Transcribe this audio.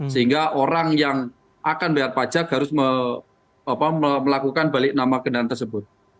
sehingga orang yang akan bayar pajak harus melakukan balik nama kendaraan tersebut